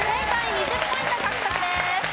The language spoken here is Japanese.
２０ポイント獲得です。